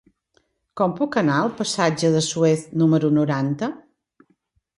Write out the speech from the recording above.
Com puc anar al passatge de Suez número noranta?